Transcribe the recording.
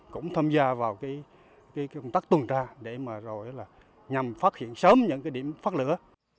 cũng tham gia vào công tác tuần tra để nhằm phát hiện sớm những điểm phát lửa